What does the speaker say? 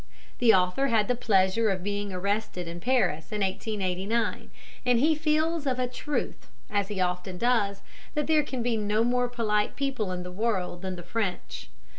The author had the pleasure of being arrested in Paris in 1889, and he feels of a truth, as he often does, that there can be no more polite people in the world than the French.